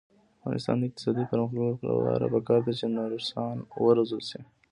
د افغانستان د اقتصادي پرمختګ لپاره پکار ده چې نرسان وروزل شي.